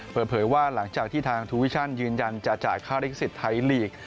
เปิดเผยว่าหลังจากที่ทางทูวิชั่นยืนยันจะจ่ายค่าลิขสิทธิ์ไทยลีก